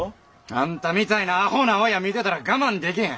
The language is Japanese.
あんたみたいなあほな親見てたら我慢できへん。